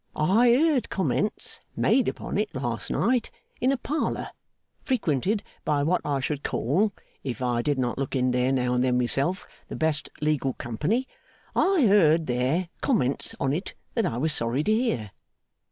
I heard comments made upon it last night in a Parlour frequented by what I should call, if I did not look in there now and then myself, the best legal company I heard, there, comments on it that I was sorry to hear.